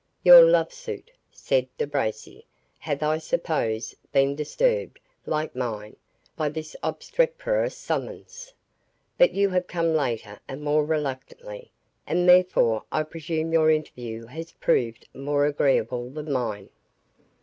"Your love suit," said De Bracy, "hath, I suppose, been disturbed, like mine, by this obstreperous summons. But you have come later and more reluctantly, and therefore I presume your interview has proved more agreeable than mine."